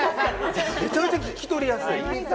めちゃめちゃ聞き取りやすい。